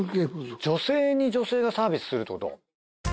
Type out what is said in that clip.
女性に女性がサービスするってこと？